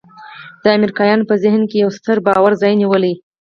د امریکایانو په ذهن کې یو ستر باور ځای نیولی.